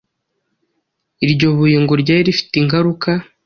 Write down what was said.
iryo buye ngo ryari rifite ingaruka